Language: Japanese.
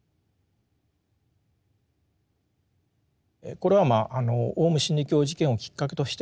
これはまああのオウム真理教事件をきっかけとしてですね